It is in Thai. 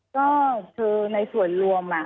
ก็คือในส่วนรวม